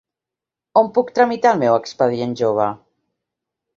On puc tramitar el meu expedient jove?